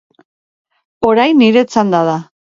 Orain nire txanda da.